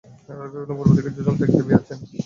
রাজলক্ষ্মী কহিলেন, পূর্ব দিকে যোজনান্তে এক দেবী আছেন।